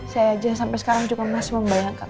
saya aja sampe sekarang juga masih membayangkan